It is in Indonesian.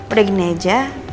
udah gini aja